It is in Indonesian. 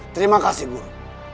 terima kasih guru